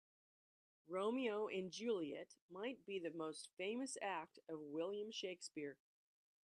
Romeo and Juliet might be the most famous act of William Shakespeare.